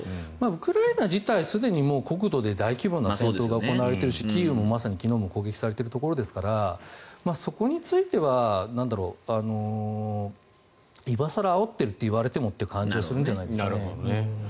ウクライナ自体すでに国土で大規模な戦闘が行われているしキーウもまさに昨日も攻撃されているところですからそこについては今更あおってるといわれてもという感じもするんじゃないでしょうかね。